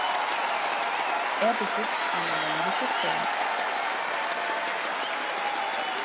Er besitzt eine längliche Form.